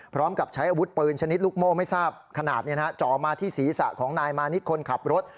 พร้อมกับใช้อาวุธปืนชนิดลูกโม่ไม่ทราบขนาดจ่อมาที่ศีรษะของนายมานิดคนขับรถ